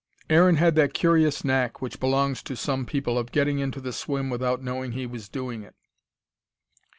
Aaron had that curious knack, which belongs to some people, of getting into the swim without knowing he was doing it.